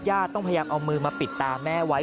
อยากต้องพยักเอามือมาปิดตาแม่ไว้